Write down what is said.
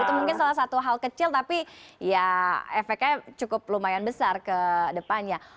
itu mungkin salah satu hal kecil tapi ya efeknya cukup lumayan besar ke depannya